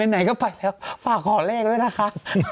ไหนก็ไปแล้วฝากขอเลขด้วยนะคะ